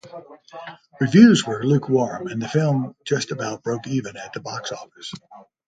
Reviews were lukewarm and the film just about broke even at the box office.